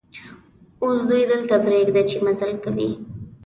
اوس دوی دلته پرېږده چې مزل کوي.